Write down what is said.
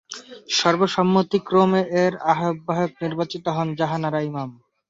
সর্বসম্মতিক্রমে এর আহ্বায়ক নির্বাচিত হন জাহানারা ইমাম।